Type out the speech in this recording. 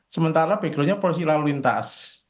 sementara backgroundnya porsi lalu lintas